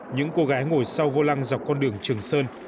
những cô gái ngồi sau vô lăng dọc con đường trường sơn